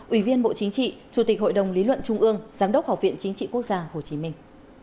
ủy viên bộ chính trị chủ tịch hội đồng lý luận trung ương giám đốc học viện chính trị quốc gia hồ chí minh